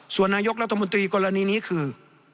ส่วนนายกรัฐมนตรีกรณีนี้คือ